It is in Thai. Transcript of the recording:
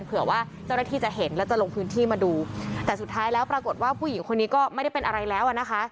เผื่อว่าเจ้าหน้าที่จะเห็นแล้วจะลงพื้นที่มาดูแต่สุดท้ายแล้วปรากฏว่าผู้หญิงคนนี้ก็ไม่ได้เป็นอะไรแล้วอ่ะนะคะ